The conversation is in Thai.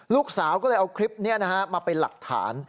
ลูกสาวก็เลยเอาคลิปนี้มาเป็นหลักฐาน